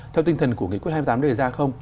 theo tinh thần của nghị quyết hai mươi tám đề ra không